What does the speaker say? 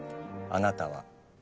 あなたは。